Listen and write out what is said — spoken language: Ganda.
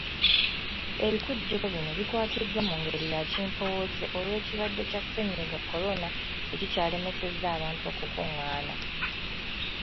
Ebikujjuko bino bikwatiddwa mu ngeri ya kimpowooze olw'ekirwadde kya Ssennyiga Corona ekikyalemesezza abantu okukungaana.